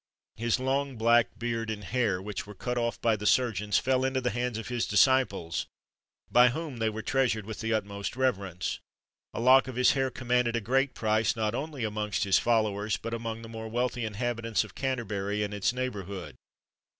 His long black beard and hair, which were cut off by the surgeons, fell into the hands of his disciples, by whom they were treasured with the utmost reverence. A lock of his hair commanded a great price, not only amongst his followers, but among the more wealthy inhabitants of Canterbury and its neighbourhood.